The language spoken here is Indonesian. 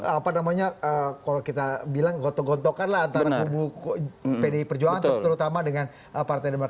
apa namanya kalau kita bilang goto gotokan antara pdi perjuangan terutama dengan partai demokrat